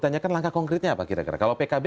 tanyakan langkah konkretnya apa kira kira kalau pkb